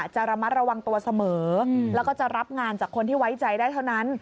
จะระมัดระวังตัวเสมอแล้วก็จะรับงานจากคนที่ไว้ใจได้เท่านั้น